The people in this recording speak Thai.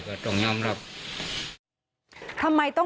ไม่รู้จริงว่าเกิดอะไรขึ้น